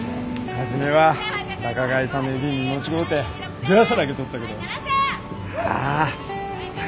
初めは仲買さんの指見間違うてドヤされあげとったけどああ